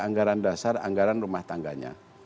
anggaran dasar anggaran rumah tangganya